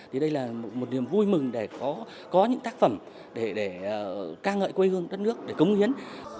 thì đây là một niềm vui mừng để có những tác phẩm để ca ngợi quê hương đất nước để cống hiến